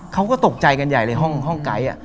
เขาก็ตกใจกันใหญ่เลยห้องไก๊